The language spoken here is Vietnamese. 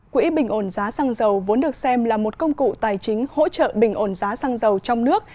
quỹ bình ổn giá xăng dầu vốn được xem là một công cụ tài chính hỗ trợ bình ổn giá xăng dầu trong nước